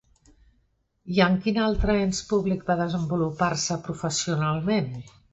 I en quin altre ens públic va desenvolupar-se professionalment?